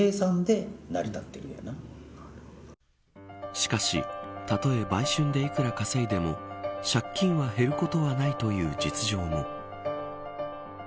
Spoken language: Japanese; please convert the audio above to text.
しかしたとえ売春で幾ら稼いでも借金は減ることはないという実情も。